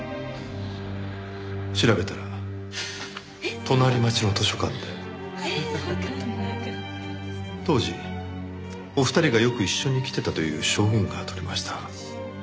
調べたら隣町の図書館で当時お二人がよく一緒に来てたという証言が取れました。